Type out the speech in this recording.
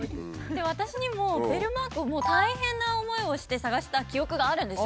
私にもベルマークをもう大変な思いをして探した記憶があるんです。